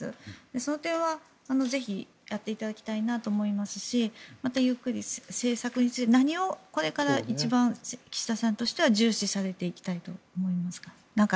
その点はぜひやっていただきたいと思いますしまた、ゆっくり政策について何をこれから一番岸田さんとしては重視されていきたいと思いますか？